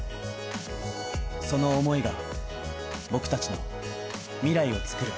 その思いが僕達の未来をつくる